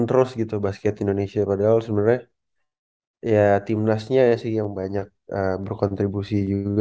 terus gitu basket indonesia padahal sebenarnya ya timnasnya sih yang banyak berkontribusi juga